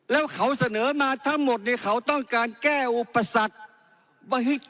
แล้วเขาเสนอมาทั้งหมดเนี่ยเขาต้องการแก้อุปสรรค